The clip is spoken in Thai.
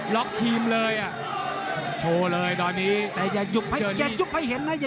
ล็อกครีมเลยโชว์เลยตอนนี้แต่อย่ายุบให้เห็นนะ